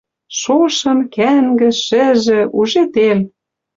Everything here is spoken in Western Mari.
Шошым, кӓнгӹж, шӹжӹ, уже — тел!